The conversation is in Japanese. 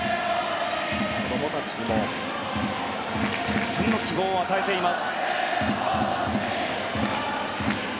子供たちにもたくさんの希望を与えています。